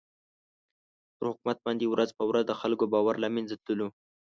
پر حکومت باندې ورځ په ورځ د خلکو باور له مېنځه تللو.